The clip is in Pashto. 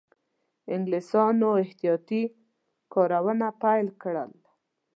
انګلیسیانو احتیاطي کارونه پیل کړل.